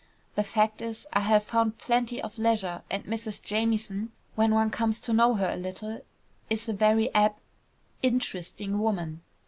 The fact is, I have found plenty of leisure, and Mrs. Jamieson, when one comes to know her a little, is a very ab interesting woman.